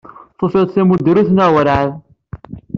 Tufiḍ-d tamudrut neɣ werɛad?